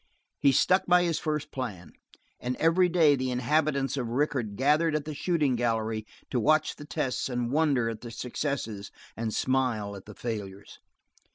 He stuck by his first plan. And every day the inhabitants of Rickett gathered at the shooting gallery to watch the tests and wonder at the successes and smile at the failures.